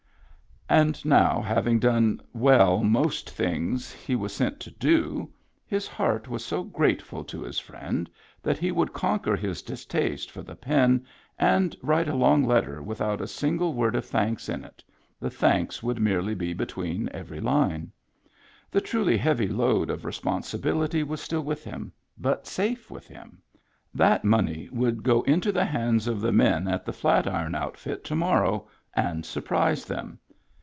And now, having done well most things he was sent to do, his heart was so grateful to his friend that he would conquer his distaste for the pen, and write a long letter without a single word of thanks in it — the thanks would merely be be tween every line. The truly heavy load of re sponsibility was still with him, but safe with him ; that money would go into the hands of the men at the Flat Iron outfit to morrow, and surprise them.